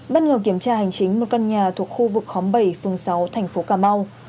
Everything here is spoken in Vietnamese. bất ngờ kiểm tra hành chính một căn nhà thuộc khu vực khóm bảy phường sáu thành phố cà mau